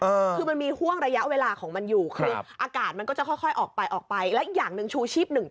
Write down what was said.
คือมันมีห้วงระยะเวลาของมันอยู่